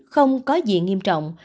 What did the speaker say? không có gì nghiêm trọng